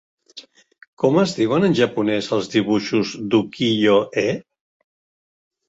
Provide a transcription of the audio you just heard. Com es diuen en japonès els dibuixos d'ukiyo-e?